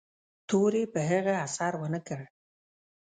تورې په هغه اثر و نه کړ.